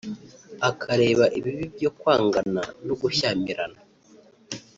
akareba ibibi byo kwangana no gushyamirana